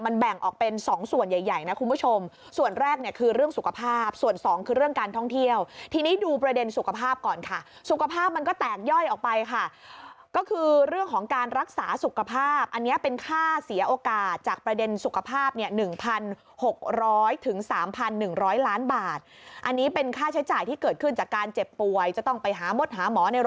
มันแบ่งออกเป็น๒ส่วนใหญ่นะคุณผู้ชมส่วนแรกเนี่ยคือเรื่องสุขภาพส่วน๒คือเรื่องการท่องเที่ยวทีนี้ดูประเด็นสุขภาพก่อนค่ะสุขภาพมันก็แตกย่อยออกไปค่ะก็คือเรื่องของการรักษาสุขภาพอันเนี่ยเป็นค่าเสียโอกาสจากประเด็นสุขภาพเนี่ย๑๖๐๐ถึง๓๑๐๐ล้านบาทอันนี้เป็นค่าใช้จ่ายที่